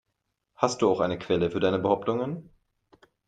Hast du auch eine Quelle für deine Behauptungen?